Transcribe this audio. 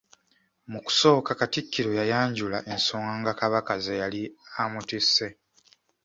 Mu kusooka Katikkiro yayanjula ensonga Kabaka ze yali amutisse.